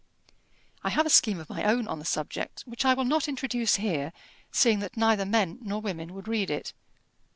I have a scheme of my own on the subject, which I will not introduce here, seeing that neither men nor women would read it.